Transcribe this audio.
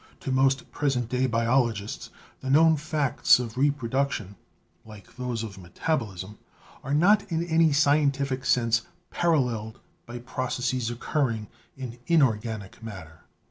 To most present day biologists the known facts of reproduc tion, like those of metabolism, are not in any scientific sense paralleled by processes occurring in inorganic matter.